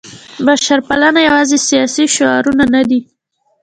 بشرپالنه یوازې سیاسي شعارونه نه دي.